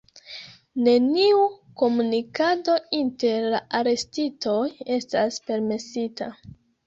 Neniu komunikado inter la arestitoj estas permesita.